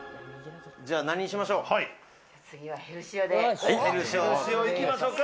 じゃあ何にしましょう？